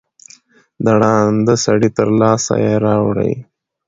د ړانده سړي تر لاسه یې راوړی